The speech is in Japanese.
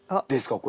これ。